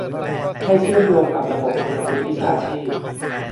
ให้เชื่อมโยงกับระบบคุณวุฒิวิชาชีพ